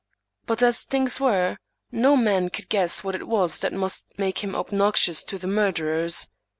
But, as things were, no man could guess what it was that must make him obnox ious to the murderers.